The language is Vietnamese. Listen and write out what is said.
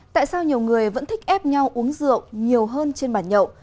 tại sao nhiều người vẫn thích ép nhau uống rượu nhiều hơn trên bàn nhậu